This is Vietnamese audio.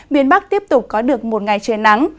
miền bắc tiếp tục có được một ngày trời nắng